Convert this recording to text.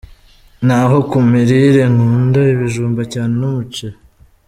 Naho ku mirire nkunda ibijumba cyane, n'umuceri.